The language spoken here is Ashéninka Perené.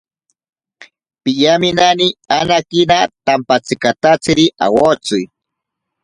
Piyaminani anakina tampatsikatatsiri awotsi.